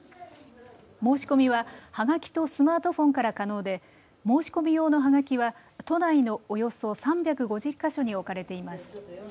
申し込みは、はがきとスマートフォンから可能で申し込み用のはがきは、都内のおよそ３５０か所に置かれています。